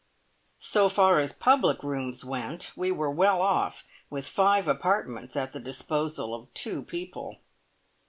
So far as public rooms went, we were well off with five apartments at the disposal of two people.